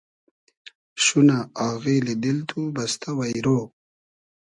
شونۂ آغیلی دیل تو بئستۂ وݷرۉ